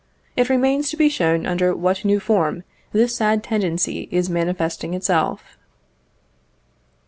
It remains to be shown under what new form this sad tendency is manifesting itself.